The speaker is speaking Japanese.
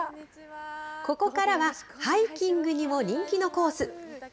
ここからは、ハイキングにも人気のコース。